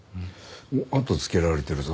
あとをつけられてるぞ。